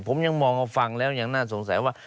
ผมยังมองว่าฟังแล้วยังน่าสงสัยว่า